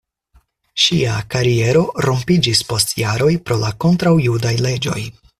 Ŝia kariero rompiĝis post jaroj pro la kontraŭjudaj leĝoj.